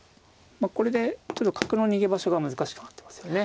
これでちょっと角の逃げ場所が難しくなってますよね。